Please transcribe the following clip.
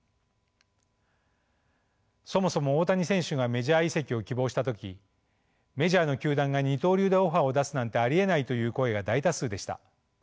そもそも大谷選手がメジャー移籍を希望した時メジャーの球団が二刀流でオファーを出すなんてありえないという声が大多数でした。